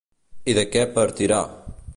I de què partirà?